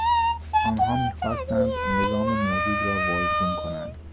آنها میخواستند نظام موجود را واژگون کنند.